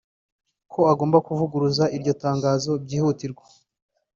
ko agomba kuvuguruza iryo tangazo byihutirwa